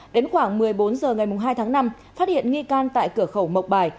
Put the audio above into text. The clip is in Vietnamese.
đến khoảng một mươi bốn h ngày hai tháng năm phát hiện nghi can tại cửa khẩu mộc bài